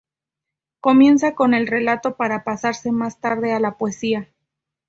Comienza con el relato, para pasarse más tarde a la poesía.